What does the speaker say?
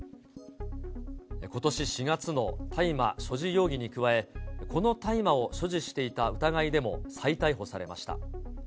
ことし４月の大麻所持容疑に加え、この大麻を所持していた疑いでも再逮捕されました。